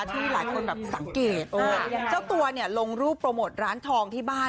ที่หลายคนแบบสังเกตเจ้าตัวเนี่ยลงรูปโปรโมทร้านทองที่บ้าน